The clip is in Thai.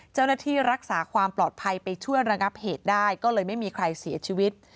เจ้าหน้าที่รักษาความปลอดภัยไปช่วยระงับเหตุได้ก็เลยไม่มีใครเสียชีวิต